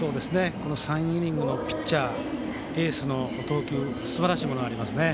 この３イニングのピッチャーエースの投球すばらしいものがありますね。